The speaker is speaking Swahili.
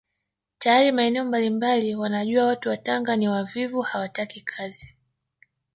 Tayari maeneo mbalimbali wanajua watu wa Tanga ni wavivu hawataki kazi